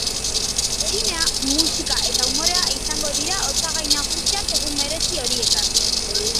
Zinea, musika eta umorea izango dira osagai nagusiak egun berezi horietan.